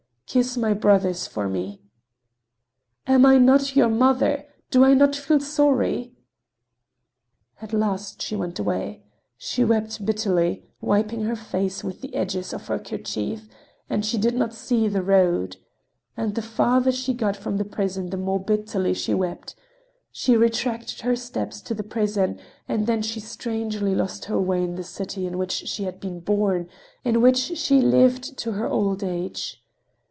Kiss my brothers for me." "Am I not your mother? Do I not feel sorry?" At last she went away. She wept bitterly, wiping her face with the edges of her kerchief, and she did not see the road. And the farther she got from the prison the more bitterly she wept. She retraced her steps to the prison, and then she strangely lost her way in the city in which she had been born, in which she lived to her old age.